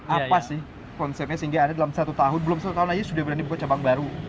apa sih konsepnya sehingga anda dalam satu tahun belum satu tahun aja sudah berani buka cabang baru